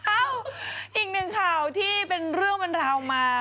อีกหนึ่งข่าวที่เป็นเรื่องบรรรดาวมา